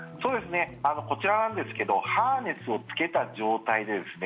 こちらなんですけどハーネスをつけた状態でですね